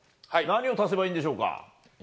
何を足せばいいんでしょうか。